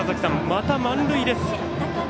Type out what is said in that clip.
また満塁です。